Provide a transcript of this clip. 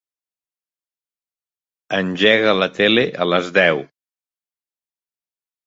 Engega la tele a les deu.